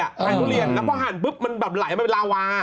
ทานทุเรียนแล้วพอหั่นปุ๊บมันแบบไหลมาเป็นลาวา